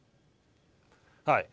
はい。